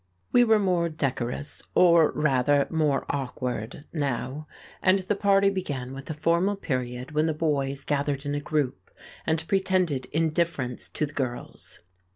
We were more decorous, or rather more awkward now, and the party began with a formal period when the boys gathered in a group and pretended indifference to the girls.